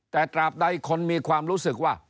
แต่ตราบใดคนมีความรู้สึกว่า